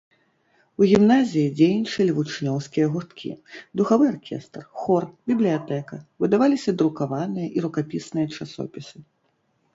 У гімназіі дзейнічалі вучнёўскія гурткі, духавы аркестр, хор, бібліятэка, выдаваліся друкаваныя і рукапісныя часопісы.